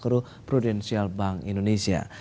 kebijakan makro prudential bank indonesia